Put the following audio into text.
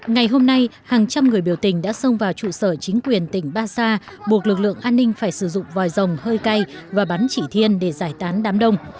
ngày hôm nay hàng trăm người biểu tình đã xông vào trụ sở chính quyền tỉnh basha buộc lực lượng an ninh phải sử dụng vòi rồng hơi cay và bắn chỉ thiên để giải tán đám đông